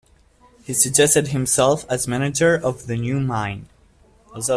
He suggested himself as manager of the new mine.